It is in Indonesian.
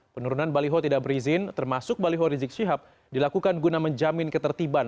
penurunan baliho tidak berizin termasuk baliho rizik syihab dilakukan guna menjamin ketertiban